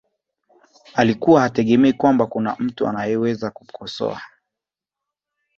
alikuwa hategemei kwamba kuna mtu anayeweza kumkosoa